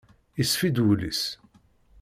Isfi-d wul-is.